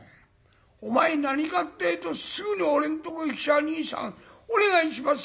お前何かってぇとすぐに俺んとこへ来ちゃ『兄さんお願いします。